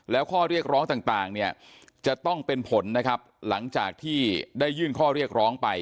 แล้วข้อเรียกร้องต่างเนี่ยจะต้องเป็นผลนะครับหลังจากที่ได้ยื่นข้อเรียกร้องไป